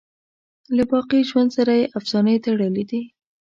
له باقی ژوند سره یې افسانې تړلي دي.